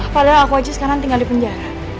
padahal aku aja sekarang tinggal di penjara